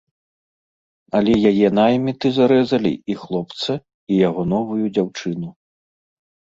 Але яе найміты зарэзалі і хлопца, і яго новую дзяўчыну.